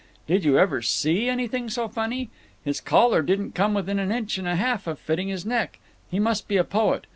Did you ever see anything so funny! His collar didn't come within an inch and a half of fitting his neck. He must be a poet.